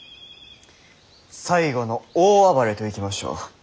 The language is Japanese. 最後の大暴れといきましょう。